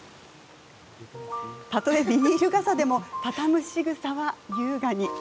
たとえ、ビニール傘でも畳むしぐさは優雅に。